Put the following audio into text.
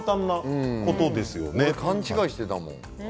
俺、勘違いしてたもん。